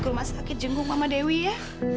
ke rumah sakit jenghung mama dewi ya